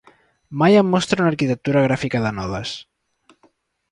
Maya mostra una arquitectura gràfica de nodes.